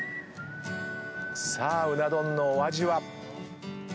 さあうな丼のお味は？